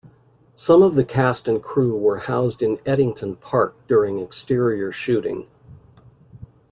Some of the cast and crew were housed in Ettington Park during exterior shooting.